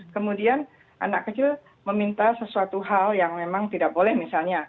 kemudian anak kecil meminta sesuatu hal yang memang tidak boleh misalnya